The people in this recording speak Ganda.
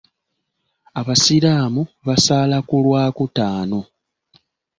Abasiraamu basaala ku lwakutaano.